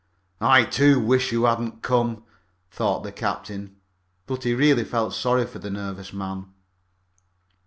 "I, too, wish you hadn't come," thought the captain, but he really felt sorry for the nervous man.